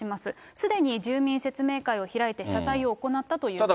すでに住民説明会を開いて謝罪を行ったということです。